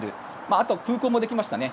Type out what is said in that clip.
あとは空港もできましたね。